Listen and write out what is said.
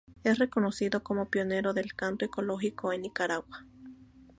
Es reconocido como pionero del canto ecológico en Nicaragua.